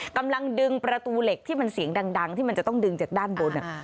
กำลังดึงประตูเหล็กที่มันเสียงดังที่มันจะต้องดึงจากด้านบน